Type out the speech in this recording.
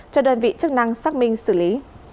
cho đơn vị chức năng xác minh xử lý